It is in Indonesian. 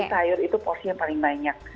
sayur itu porsinya paling banyak